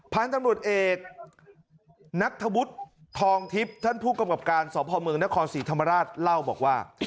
ภาร์ทตำรวจเอกนักธบุตรทองทิพย์ท่านผู้กำกับการสพมนศรีธรรมราชเล่าบอกว่า